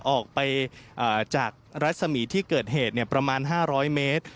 ออกไปจากรัศมีที่เกิดเหตุประมาณ๕๐๐เมตร